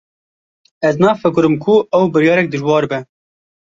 Ez nafikirim ku ew biryarek dijwar be.